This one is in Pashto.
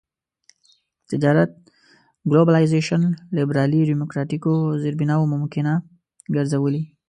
تجارت ګلوبلایزېشن لېبرالي ډيموکراټيکو زېربناوو ممکنه ګرځولي.